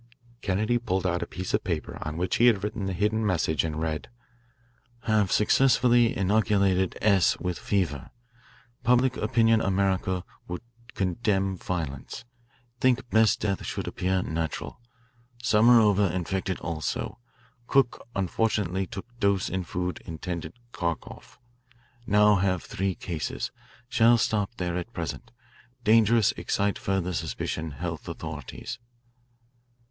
Kennedy pulled out a piece of paper on which he had written the hidden message and read: "Have successfully inoculated S. with fever. Public opinion America would condemn violence. Think best death should appear natural. Samarova infected also. Cook unfortunately took dose in food intended Kharkoff. Now have three cases. Shall stop there at present. Dangerous excite further suspicion health authorities."